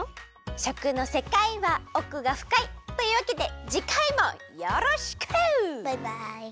しょくのせかいはおくがふかい！というわけでじかいもよろしく！バイバイ！